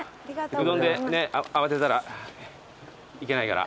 うどんで慌てたらいけないから。